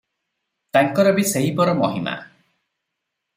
ତାଙ୍କର ବି ସେହିପର ମହିମା ।